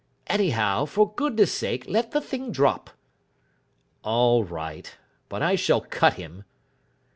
"Anyhow, for goodness' sake let the thing drop." "All right. But I shall cut him."